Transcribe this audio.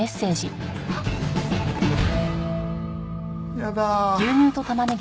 やだ。